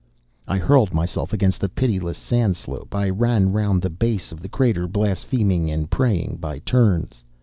I hurled myself against the pitiless sand slope I ran round the base of the crater, blaspheming and praying by turns.